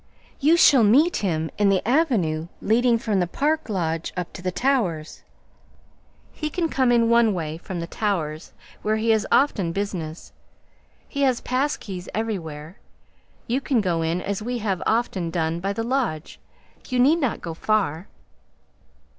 "You shall meet him in the avenue leading from the park lodge up to the Towers. He can come in one way from the Towers, where he has often business he has pass keys everywhere you can go in as we have often done by the lodge you need not go far."